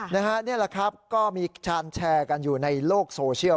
นี่แหละครับก็มีการแชร์กันอยู่ในโลกโซเชียล